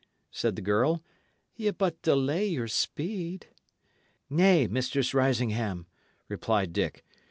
said the girl. "Ye but delay your speed." "Nay, Mistress Risingham," replied Dick.